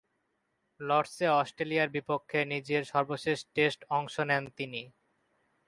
লর্ডসে অস্ট্রেলিয়ার বিপক্ষে নিজের সর্বশেষ টেস্টে অংশ নেন তিনি।